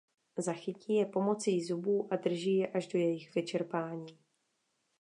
Zachytí je pomocí zubů a drží je až do jejich vyčerpání.